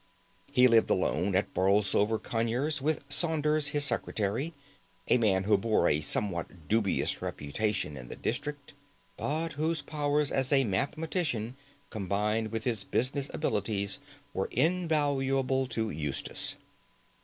He lived alone at Borlsover Conyers with Saunders his secretary, a man who bore a somewhat dubious reputation in the district, but whose powers as a mathematician, combined with his business abilities, were invaluable to Eustace.